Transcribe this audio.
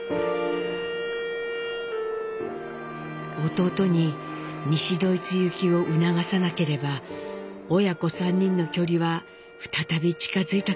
「弟に西ドイツ行きを促さなければ親子３人の距離は再び近づいたかもしれない」。